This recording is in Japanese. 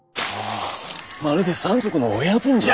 まるで山賊の親分じゃ。